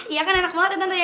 iya kan enak banget ya tante ya